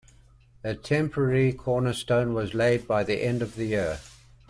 A temporary cornerstone was laid by the end of the year.